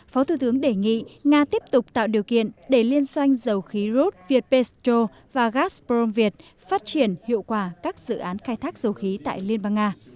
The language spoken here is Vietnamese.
phó thủ tướng đề nghị nga tiếp tục tạo điều kiện để liên xoanh dầu khí roth việt pesto và gatrom việt phát triển hiệu quả các dự án khai thác dầu khí tại liên bang nga